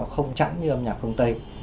không chẳng như âm nhạc phương tây